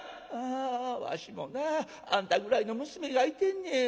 わしもなあんたぐらいの娘がいてんねん。